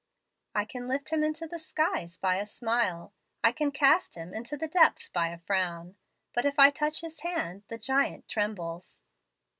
I can lift him into the skies by a smile. I can cast him into the depths by a frown. If I but touch his hand, the giant trembles.